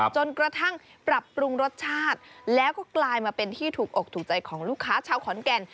จนกระทั่งปรับปรุงรสชาติแล้วก็กลายมาเป็นที่ถูกอกถูกใจของลูกค้าชาวขอนแก่น